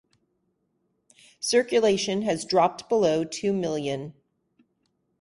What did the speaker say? Circulation has dropped below two million.